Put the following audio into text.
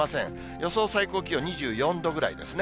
予想最高気温２４度ぐらいですね。